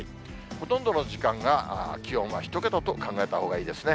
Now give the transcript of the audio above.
ほとんどの時間が気温は１桁と考えたほうがいいですね。